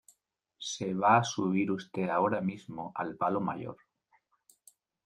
se va a subir usted ahora mismo al palo mayor